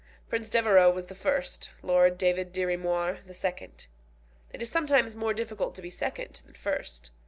Prince Devereux was the first, Lord David Dirry Moir the second. It is sometimes more difficult to be second than first.